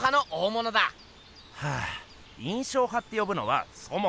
はぁ印象派って呼ぶのはそもそも。